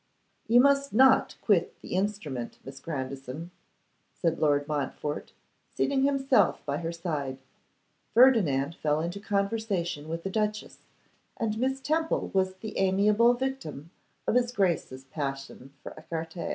'You must not quit the instrument, Miss Grandison,' said Lord Montfort, seating himself by her side. Ferdinand fell into conversation with the duchess; and Miss Temple was the amiable victim of his Grace's passion for écarté.